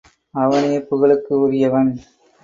அவனே புகழுக்கு உரியவன்.